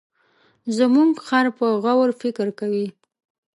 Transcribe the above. زموږ خر په غور فکر کوي.